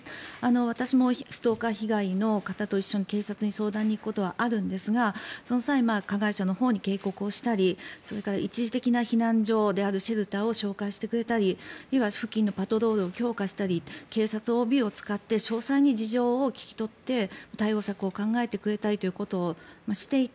私もストーカー被害の方と一緒に警察に相談に行くことはあるんですがその際、加害者のほうに警告をしたりそれから一時的な避難所であるシェルターを紹介してくれたり付近のパトロールを強化したり警察ＯＢを使って詳細に事情を聴き取って対応策を考えてくれたりということをしていて